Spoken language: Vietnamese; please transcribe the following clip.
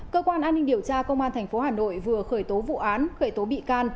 cơ quan an ninh điều tra công an tp hà nội vừa khởi tố vụ án khởi tố bị can